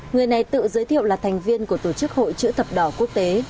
người này tự giới thiệu là thành viên của tổ chức hội chữ thập đỏ quốc tế